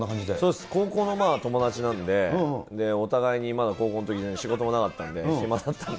高校の友達なんで、お互いにまだ、高校のときに、仕事もなかったんで、暇だったんで。